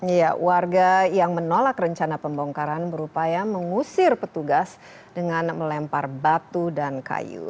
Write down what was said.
iya warga yang menolak rencana pembongkaran berupaya mengusir petugas dengan melempar batu dan kayu